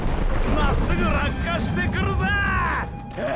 まっすぐ落下してくるぜーッ！！